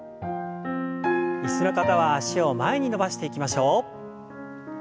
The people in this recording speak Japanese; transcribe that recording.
椅子の方は脚を前に伸ばしていきましょう。